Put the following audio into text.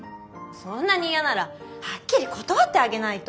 そんなに嫌ならはっきり断ってあげないと。